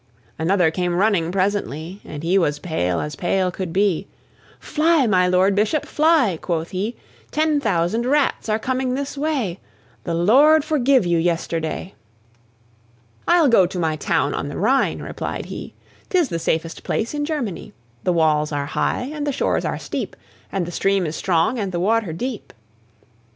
Another came running presently, And he was pale as pale could be: "Fly, my Lord Bishop, fly!" quoth he, "Ten thousand Rats are coming this way; The Lord forgive you yesterday!" "I'll go to my town on the Rhine," replied he; "'Tis the safest place in Germany; The walls are high, and the shores are steep, And the stream is strong, and the water deep."